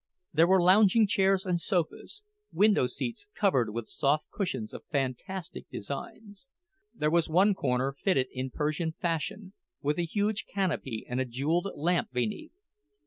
There were lounging chairs and sofas, window seats covered with soft cushions of fantastic designs; there was one corner fitted in Persian fashion, with a huge canopy and a jeweled lamp beneath.